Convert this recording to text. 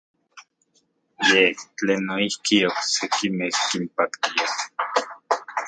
Yej tlen noijki oksekimej kinpaktia.